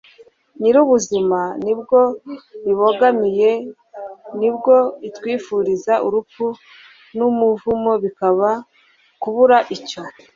nyir'ubuzima, nibwo ibogamiyeho. ni bwo itwifuriza ; urupfu n'umuvumo bikaba kubura icyo